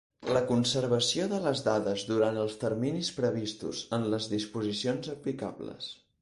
La conservació de les dades durant els terminis previstos en les disposicions aplicables.